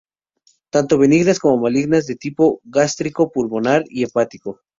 Tanto benignas como malignas, de tipo gástrico, pulmonar y hepático.